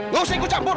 gak usah ikut campur